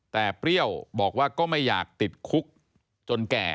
แต่เปรี้ยวบอกว่าก็ไม่อยากติดคุกจนแก่